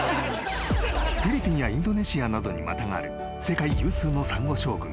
［フィリピンやインドネシアなどにまたがる世界有数のサンゴ礁群］